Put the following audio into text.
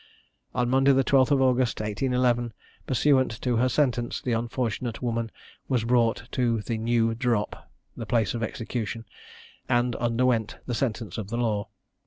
On Monday the 12th of August, 1811, pursuant to her sentence, the unfortunate woman was brought to the "new drop," the place of execution, and underwent the sentence of the law.